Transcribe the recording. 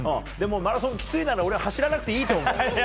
でもマラソンきついなら俺は走らなくていいと思う。